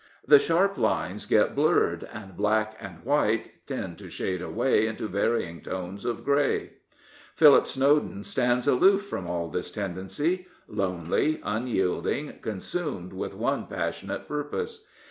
The sharp lines get blurred, and black and white tend to shade away into varying tones of grey. Philip Snowden stands aloof from all this tendency — lonely, unyielding, consumed with one passionate purpose.